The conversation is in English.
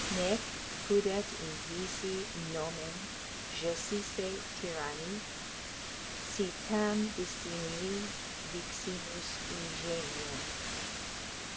Nec pudet invisi nomen gessisse tyranni, Si tam dissimili viximus ingenio.